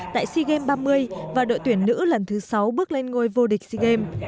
tại sea games ba mươi và đội tuyển nữ lần thứ sáu bước lên ngôi vô địch sea games